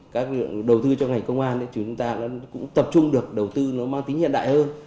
các lực lượng đầu tư cho ngành công an chúng ta cũng tập trung được đầu tư nó mang tính hiện đại hơn